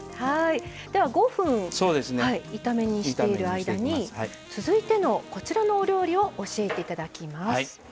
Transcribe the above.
では５分炒め煮している間に続いてのこちらのお料理を教えて頂きます。